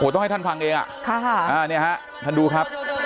ต้องให้ท่านฟังเองเนี่ยฮะท่านดูครับ